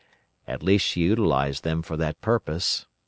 At least she utilised them for that purpose.